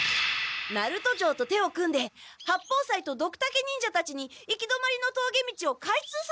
ナルト城と手を組んで八方斎とドクタケ忍者たちに行き止まりのとうげ道を開通させたんですね！